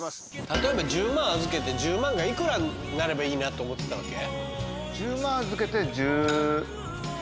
例えば１０万預けて１０万が幾らになればいいなと思ってたわけ？